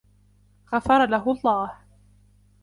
غفرله الله.